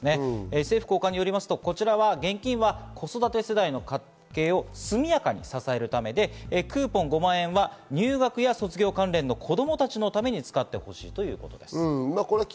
政府高官によりますと、こちらは現金は子育て世代の家計を速やかに支えるためで、クーポン５万円は入学や卒業関連の子供たちのために使ってほしいということです。